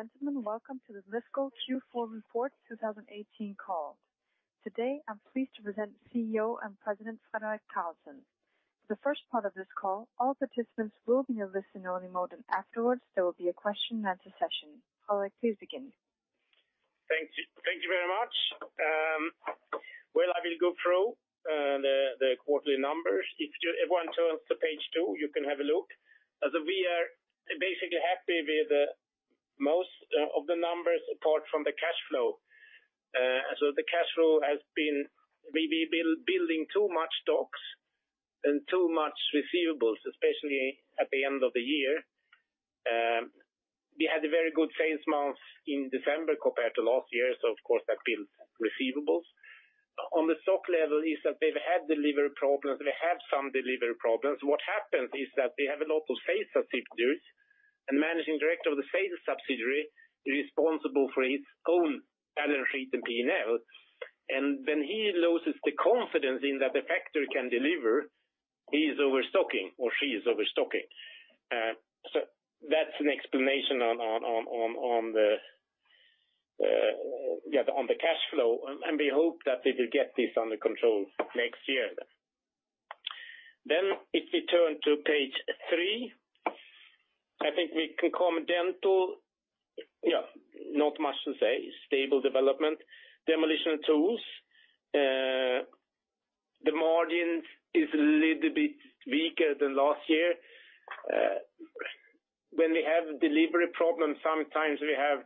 Ladies and gentlemen, welcome to the Lifco Q4 Report 2018 call. Today, I'm pleased to present CEO and President, Fredrik Karlsson. For the first part of this call, all participants will be in listen-only mode. Afterwards, there will be a question and answer session. Fredrik, please begin. Thank you very much. Well, I will go through the quarterly numbers. If everyone turns to page two, you can have a look. We are basically happy with most of the numbers apart from the cash flow. The cash flow has been, maybe building too much stocks and too much receivables, especially at the end of the year. We had a very good sales month in December compared to last year, of course that built receivables. On the stock level is that they've had delivery problems. We have some delivery problems. What happens is that we have a lot of sales subsidiaries, and the managing director of the sales subsidiary is responsible for his own balance sheet and P&L. When he loses the confidence in that the factory can deliver, he's overstocking or she's overstocking. That's an explanation on the cash flow, and we hope that we will get this under control next year then. If we turn to page three, I think we can comment dental, not much to say, stable development. Demolition & Tools, the margin is a little bit weaker than last year. When we have delivery problems, sometimes we are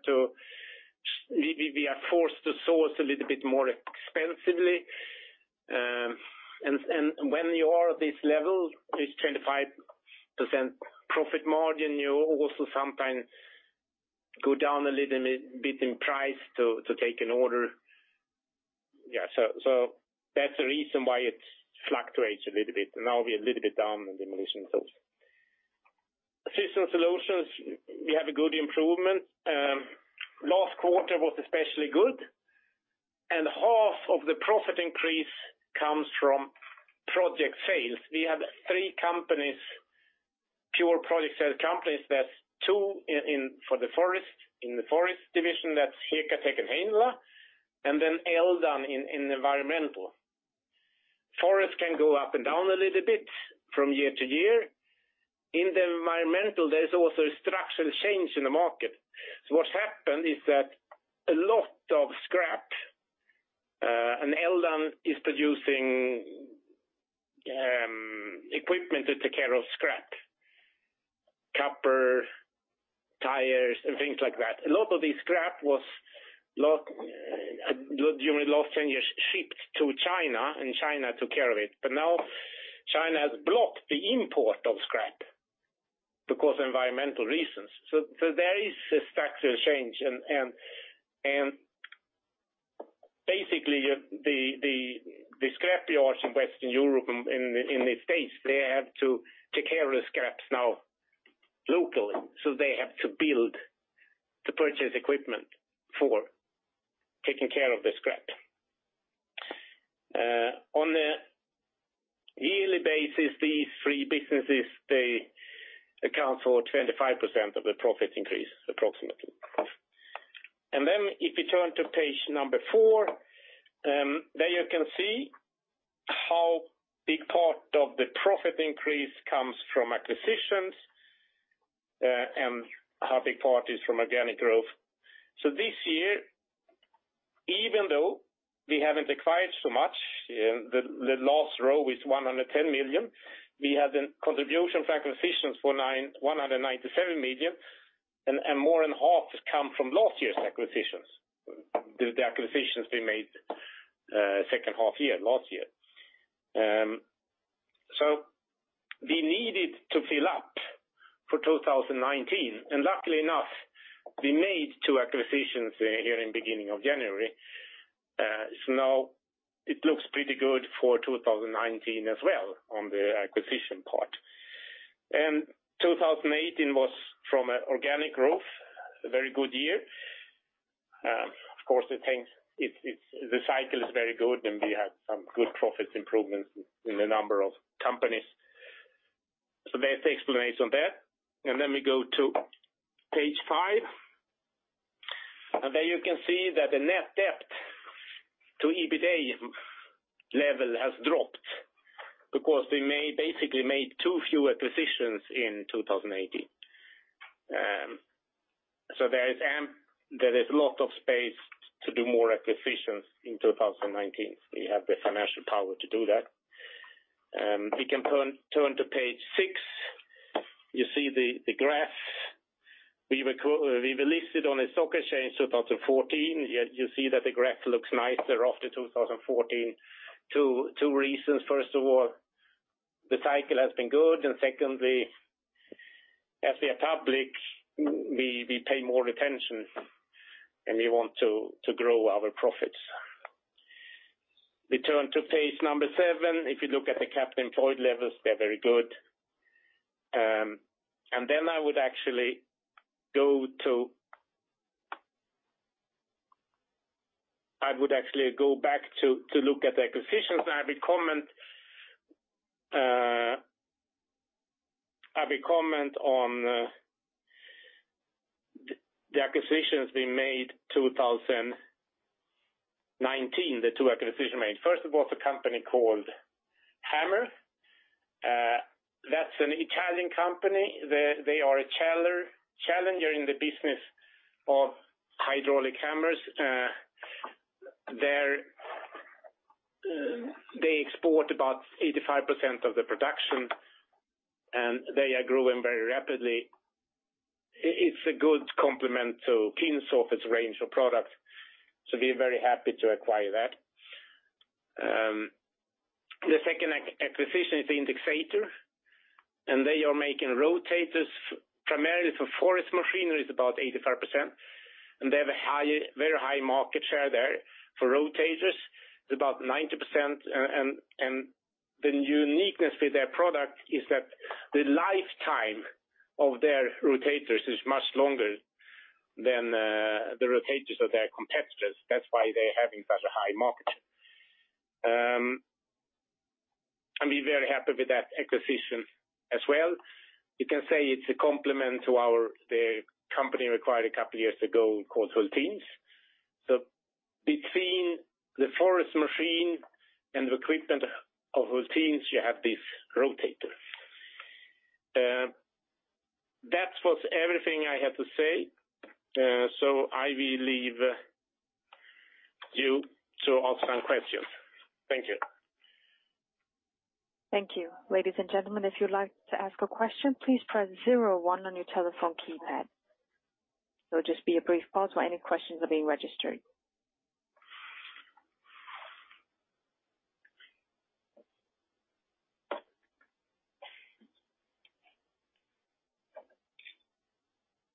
forced to source a little bit more expensively. When you are at this level, this 25% profit margin, you also sometimes go down a little bit in price to take an order. That's the reason why it fluctuates a little bit, and now we are a little bit down on Demolition & Tools. Assistance solutions, we have a good improvement. Last quarter was especially good, and half of the profit increase comes from project sales. We have three companies, pure project sales companies. There's two for the Forest, in the Forest division, that's Hekotek, Heinla, and then Eldan in Environmental. Forest can go up and down a little bit from year to year. In the Environmental, there's also a structural change in the market. What's happened is that a lot of scrap, and Eldan is producing equipment that take care of scrap, copper, tires, and things like that. A lot of the scrap was during the last 10 years, shipped to China, and China took care of it. Now China has blocked the import of scrap because of environmental reasons. There is a structural change, and basically, the scrap yards in Western Europe and in the States, they have to take care of the scraps now locally. They have to build, to purchase equipment for taking care of the scrap. On a yearly basis, these three businesses, they account for 25% of the profit increase, approximately. If we turn to page number four, there you can see how big part of the profit increase comes from acquisitions, how big part is from organic growth. This year, even though we haven't acquired so much, the last row is 110 million. We had a contribution from acquisitions for 197 million, more than half has come from last year's acquisitions, the acquisitions we made second half year, last year. We needed to fill up for 2019, luckily enough, we made two acquisitions here in the beginning of January. Now it looks pretty good for 2019 as well on the acquisition part. 2018 was from organic growth, a very good year. Of course, the cycle is very good, we had some good profit improvements in a number of companies. There's the explanation there. Let me go to page five. There you can see that the net debt to EBITDA level has dropped because we basically made two few acquisitions in 2018. There is a lot of space to do more acquisitions in 2019. We have the financial power to do that. We can turn to page six. You see the graph. We were listed on the Stockholm Exchange 2014. You see that the graph looks nicer after 2014. Two reasons. First of all, the cycle has been good, secondly, as we are public, we pay more attention, we want to grow our profits. We turn to page number seven. If you look at the capital employed levels, they're very good. I would actually go back to look at the acquisitions. I will comment on the acquisitions we made 2019, the two acquisitions made. First of all, it's a company called Hammer. That's an Italian company. They are a challenger in the business of hydraulic hammers. They export about 85% of the production, they are growing very rapidly. It's a good complement to Kinshofer's range of products. We're very happy to acquire that. The second acquisition is Indexator, they are making rotators primarily for forest machinery, it's about 85%. They have a very high market share there for rotators. It's about 90%, the uniqueness with their product is that the lifetime of their rotators is much longer than the rotators of their competitors. That's why they're having such a high market share. I'm very happy with that acquisition as well. The company we acquired a couple of years ago, called Hultdins. Between the forest machine and the equipment of Hultdins, you have this rotator. That was everything I had to say, I will leave you to ask some questions. Thank you. Thank you. Ladies and gentlemen, if you'd like to ask a question, please press zero one on your telephone keypad. There'll just be a brief pause while any questions are being registered.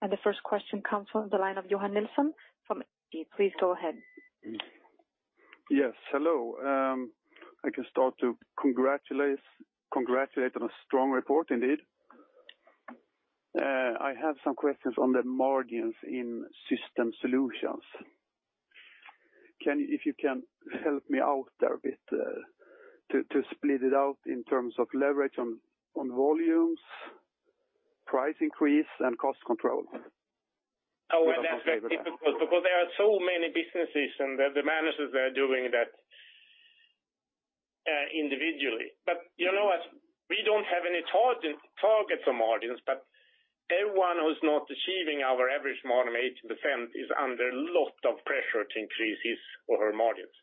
The first question comes from the line of Johan Nilsson from. Please go ahead. Yes. Hello. I can start to congratulate on a strong report indeed. I have some questions on the margins in System Solutions. If you can help me out there a bit, to split it out in terms of leverage on volumes, price increase, and cost control. Oh, that's very difficult because there are so many businesses, the managers are doing that individually. You know what? We don't have any targets or margins, but everyone who's not achieving our average margin of 18% is under a lot of pressure to increase his or her margins.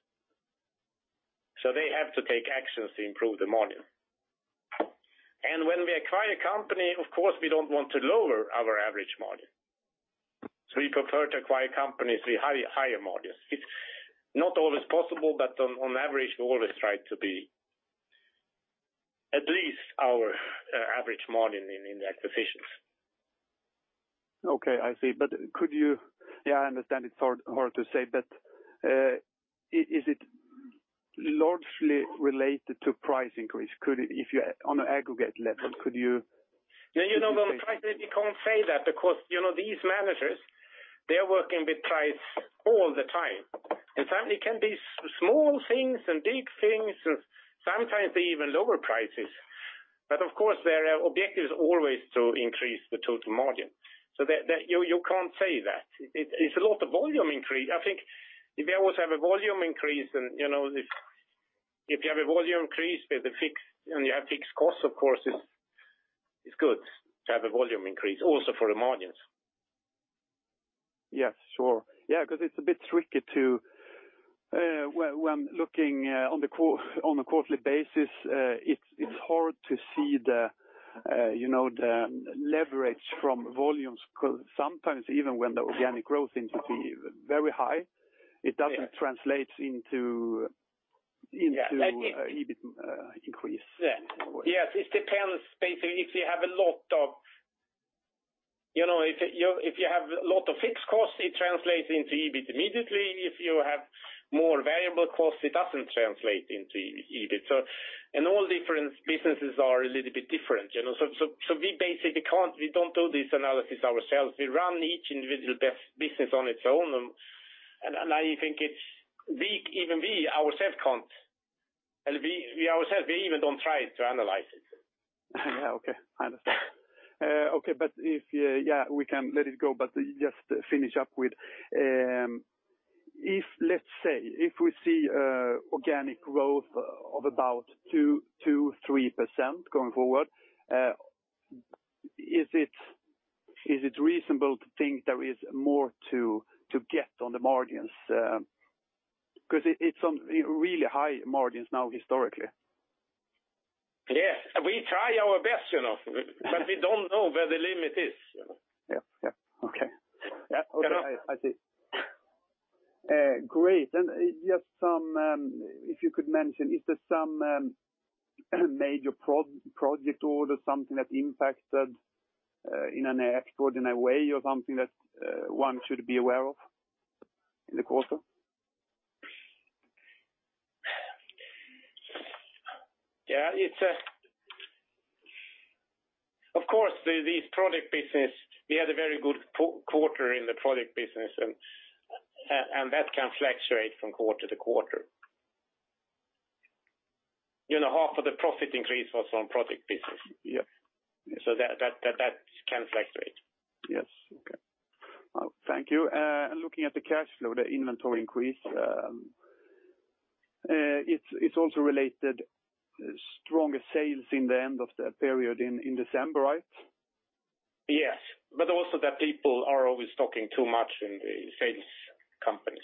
They have to take actions to improve the margin. When we acquire a company, of course, we don't want to lower our average margin. We prefer to acquire companies with higher margins. It's not always possible, but on average, we always try to be at least our average margin in the acquisitions. Okay, I see. I understand it's hard to say, is it largely related to price increase? On an aggregate level, could you? No, on price, you can't say that because these managers, they're working with price all the time. Sometimes it can be small things and big things, and sometimes they even lower prices. Of course, their objective is always to increase the total margin. You can't say that. It's a lot of volume increase. I think if you have a volume increase with the fixed, and you have fixed costs, of course it's good to have a volume increase also for the margins. Yes, sure. Because it's a bit tricky. When looking on a quarterly basis, it's hard to see the leverage from volumes, because sometimes even when the organic growth seems to be very high, it doesn't translate into EBIT increase. Yes. It depends, basically, if you have a lot of fixed costs, it translates into EBIT immediately. If you have more variable costs, it doesn't translate into EBIT. All different businesses are a little bit different. We don't do this analysis ourselves. We run each individual business on its own, and I think even we ourselves can't. We even don't try to analyze it. Yeah. Okay. I understand. Okay, we can let it go, but just to finish up with, let's say, if we see organic growth of about 2%, 3% going forward, is it reasonable to think there is more to get on the margins? Because it's on really high margins now, historically. Yes. We try our best. We don't know where the limit is. Yes. Okay. Yeah. Okay. I see. Great. Just if you could mention, is there some major project orders, something that impacted in an extraordinary way or something that one should be aware of in the quarter? Of course, these project business, we had a very good quarter in the project business, and that can fluctuate from quarter to quarter. Half of the profit increase was on project business. Yes. That can fluctuate. Yes. Okay. Thank you. Looking at the cash flow, the inventory increase, it's also related stronger sales in the end of the period in December, right? Yes. Also that people are always talking too much in the sales companies.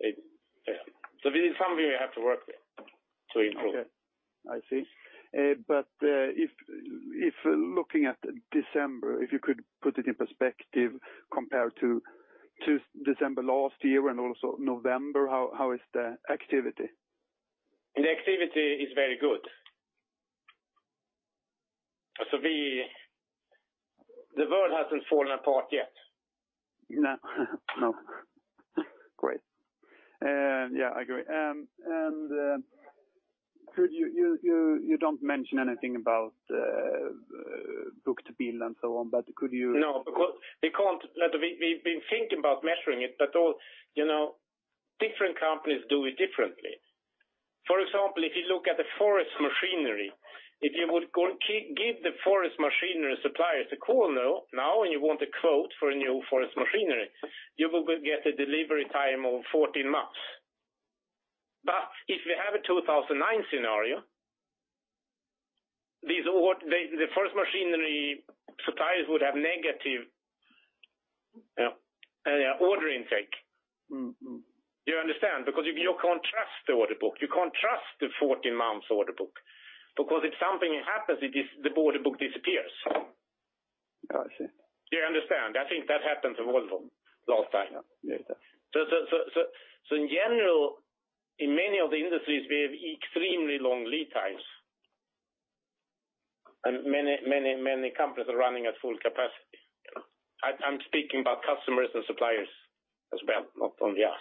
We need somebody we have to work with to improve. Okay. I see. If looking at December, if you could put it in perspective compared to December last year and also November, how is the activity? The activity is very good. The world hasn't fallen apart yet. No. Great. I agree. You don't mention anything about book-to-bill and so on, but could you. No, because we can't. We've been thinking about measuring it, but different companies do it differently. For example, if you look at the forest machinery, if you would give the forest machinery suppliers a call now, and you want a quote for a new forest machinery, you will get a delivery time of 14 months. If you have a 2009 scenario, the forest machinery suppliers would have negative order intake. You understand? Because you can't trust the order book. You can't trust the 14 months order book, because if something happens, the order book disappears. I see. You understand? I think that happened to Volvo last time. Yes. In general, in many of the industries, we have extremely long lead times, and many companies are running at full capacity. I'm speaking about customers and suppliers as well, not only us.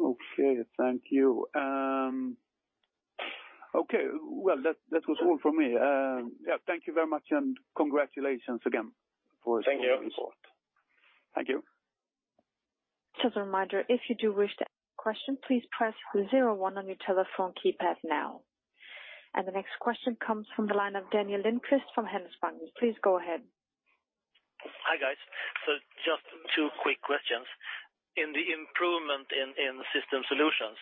Okay, thank you. That was all from me. Thank you very much, congratulations again for this report. Thank you. Thank you. Just a reminder, if you do wish to ask a question, please press zero, one on your telephone keypad now. The next question comes from the line of Daniel Lindquist from Handelsbanken. Please go ahead. Hi, guys. Just two quick questions. In the improvement in system solutions,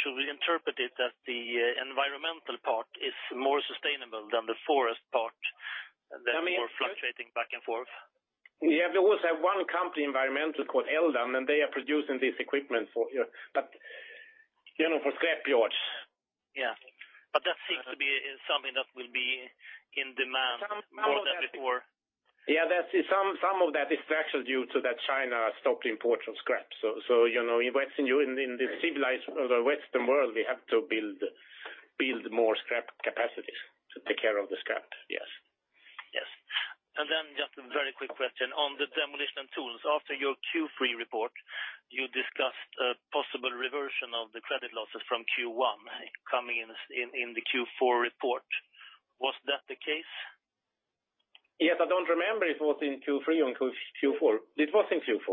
should we interpret it that the environmental part is more sustainable than the forest part that are more fluctuating back and forth? We have always had one company environmental called Eldan, and they are producing this equipment for scrap yards. Yes. That seems to be something that will be in demand more than before. Yes, some of that is actually due to that China stopped import from scrap. In the civilized or the Western world, we have to build more scrap capacities to take care of the scrap. Yes. Yes. Just a very quick question on the demolition tools. After your Q3 report, you discussed a possible reversion of the credit losses from Q1 coming in the Q4 report. Was that the case? Yes, I don't remember if it was in Q3 or in Q4. It was in Q4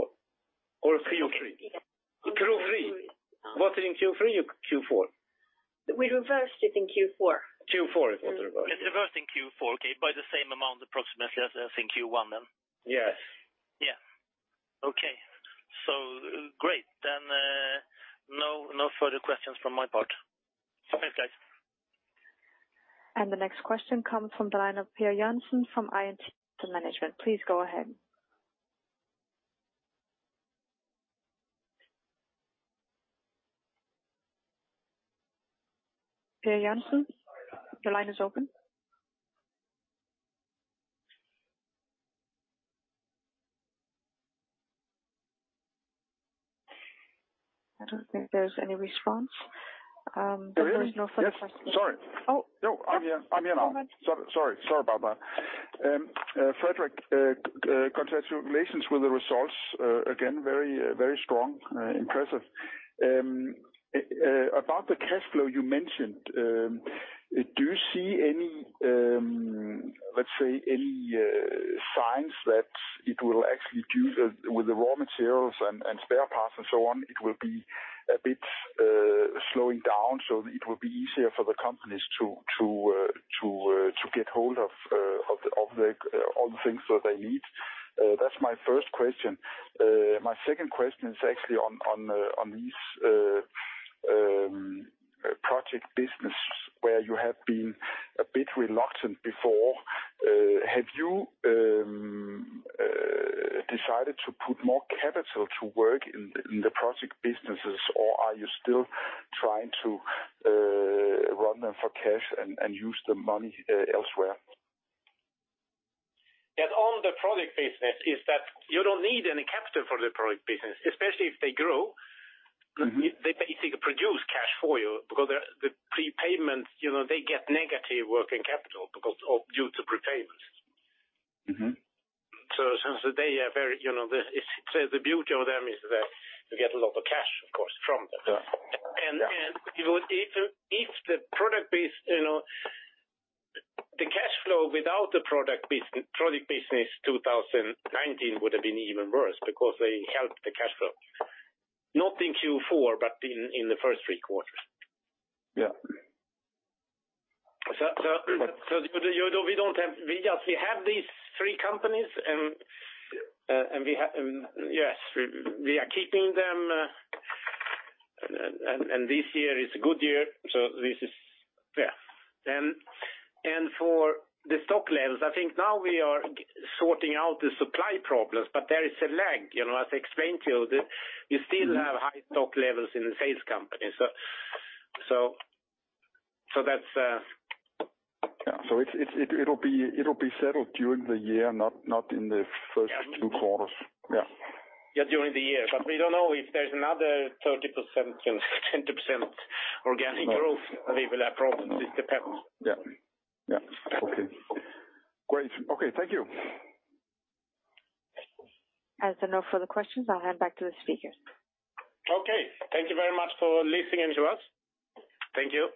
or Q3? Q3. Q3. Was it in Q3 or Q4? We reversed it in Q4. Q4 it was reversed. It reversed in Q4. Okay. By the same amount, approximately, as in Q1 then? Yes. Yes. Okay. Great. No further questions from my part. Thanks, guys. The next question comes from the line of Per Jansson from INT Management. Please go ahead. Per Jansson, your line is open. I don't think there's any response. There is no further question. There is. Yes, sorry. Oh. No, I'm here now. Sorry about that. Fredrik, congratulations with the results. Again, very strong. Impressive. About the cash flow you mentioned, do you see, let's say, any signs that it will actually do with the raw materials and spare parts and so on, it will be a bit slowing down, so it will be easier for the companies to get hold of all the things that they need? That's my first question. My second question is actually on this project business where you have been a bit reluctant before. Have you decided to put more capital to work in the project businesses, or are you still trying to run them for cash and use the money elsewhere? On the project business is that you don't need any capital for the project business, especially if they grow. They basically produce cash for you because the prepayments, they get negative working capital due to prepayments. The beauty of them is that you get a lot of cash, of course, from them. Sure. The cash flow without the project business 2019 would have been even worse because they helped the cash flow, not in Q4, but in the first three quarters. Yes. We have these three companies, and we are keeping them, and this year is a good year. For the stock levels, I think now we are sorting out the supply problems, there is a lag. As I explained to you, we still have high stock levels in the sales company. It'll be settled during the year, not in the first two quarters. Yes. During the year. We don't know if there's another 30% or 10% organic growth we will have problems. It depends. Yes. Okay, great. Thank you. As there are no further questions, I'll hand back to the speakers. Okay. Thank you very much for listening to us. Thank you